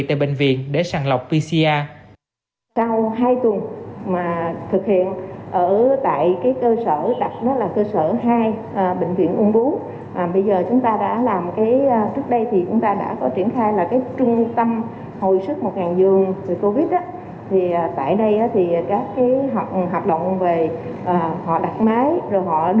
tại bệnh viện để sàng lọc pcr